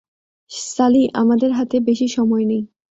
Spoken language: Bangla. সালি, আমাদের হাতে বেশি সময় নেই!